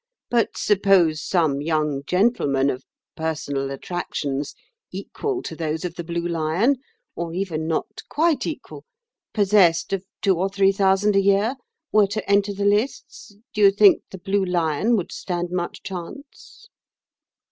"But suppose some young gentleman of personal attractions equal to those of the 'Blue Lion,' or even not quite equal, possessed of two or three thousand a year, were to enter the lists, do you think the 'Blue Lion' would stand much chance?"